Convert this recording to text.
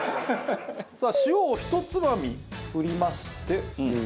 さあ塩をひとつまみ振りまして。